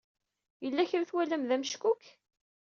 Yella kra ay twalam d ameckuk?